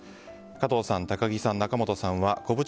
加藤さん、高木さん、仲本さんはこぶ